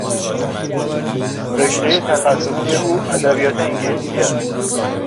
رشتهی تخصصی او ادبیات انگلیسی است.